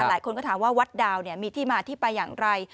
หลายคนก็ถามว่าวัดดาวมีที่มาที่ไปอย่างไร